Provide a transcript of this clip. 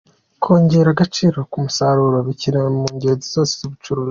Kongera agaciro k’umusaruro bikenewe mu ngeri zose z’ubucuruzi.